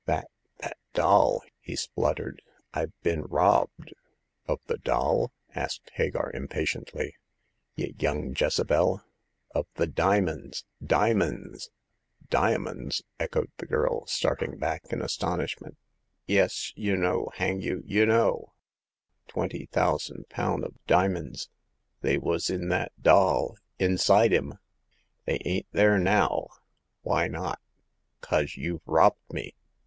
That— that doll !" he splut tered. IVe been robbed !"Of the doll ?*' asked Hagar, impatiently. Y' young Jezebel ! Of the dimins— dimins !"Diamonds I " echoed the girl, starting back m astonishment. " Yes ! Y* know, hang you, y' know ! Twenty thousan' poun' of dimins ! They was in that doll — inside 'im. They ain't there now ! Why not ? 'Cause you've robbed me